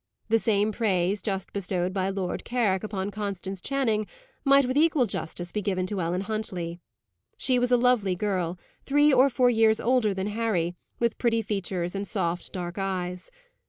The same praise, just bestowed by Lord Carrick upon Constance Channing, might with equal justice be given to Ellen Huntley. She was a lovely girl, three or four years older than Harry, with pretty features and soft dark eyes.